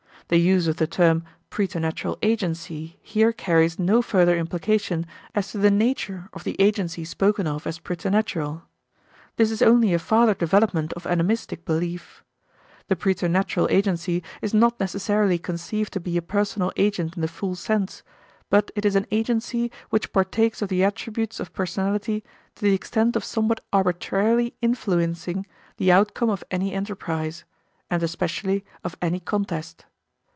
The use of the term "preternatural agency" here carries no further implication as to the nature of the agency spoken of as preternatural. This is only a farther development of animistic belief. The preternatural agency is not necessarily conceived to be a personal agent in the full sense, but it is an agency which partakes of the attributes of personality to the extent of somewhat arbitrarily influencing the outcome of any enterprise, and especially of any contest.